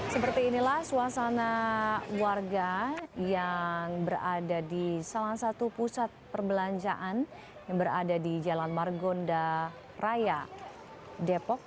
seperti inilah suasana warga yang berada di salah satu pusat perbelanjaan yang berada di jalan margonda raya depok